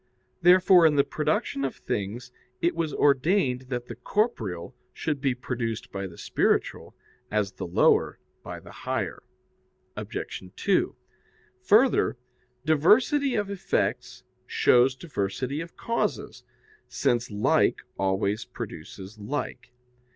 Therefore in the production of things it was ordained that the corporeal should be produced by the spiritual, as the lower by the higher. Obj. 2: Further, diversity of effects shows diversity of causes, since like always produces like.